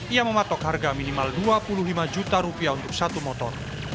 ia mematok harga minimal dua puluh lima juta rupiah untuk satu motor